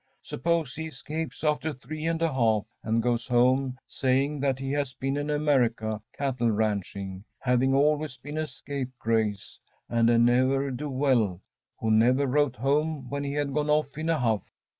Suppose he escapes after three and a half, and goes home, saying that he has been in America, cattle ranching having always been a scapegrace, and a ne'er do well, who never wrote home when he had gone off in a huff.